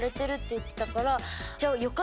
言ってたから。